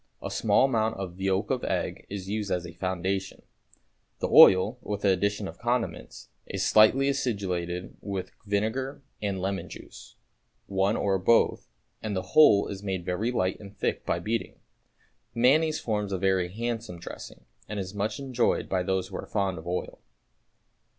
A small amount of yolk of egg is used as a foundation. The oil, with the addition of condiments, is slightly acidulated with vinegar and lemon juice, one or both, and the whole is made very light and thick by beating. Mayonnaise forms a very handsome dressing, and it is much enjoyed by those who are fond of oil.